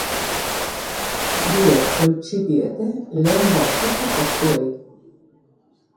Biek eutsi diete lehengo asteko postuei.